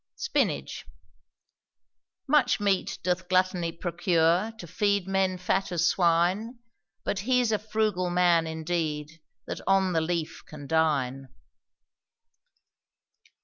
SPINACH. Much meat doth Gluttony procure, To feed men fat as swine; But he's a frugal man, indeed, That on the leaf can dine.